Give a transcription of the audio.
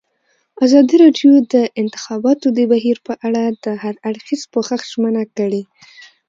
ازادي راډیو د د انتخاباتو بهیر په اړه د هر اړخیز پوښښ ژمنه کړې.